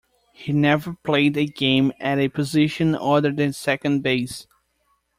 He never played a game at a position other than second base.